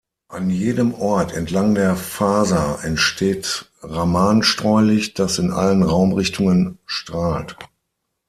An jedem Ort entlang der Faser entsteht Raman-Streulicht, das in allen Raumrichtungen strahlt.